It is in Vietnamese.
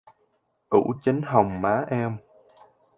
ủ chín hồng má em